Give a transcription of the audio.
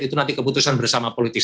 itu nanti keputusan bersama politis